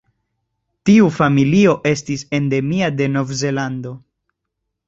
Tiu familio estis endemia de Novzelando.